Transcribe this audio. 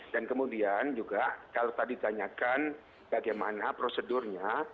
dan kemudian juga kalau tadi ditanyakan bagaimana prosedurnya